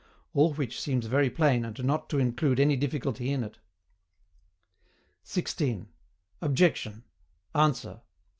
All which seems very plain and not to include any difficulty in it. 16. OBJECTION. ANSWER.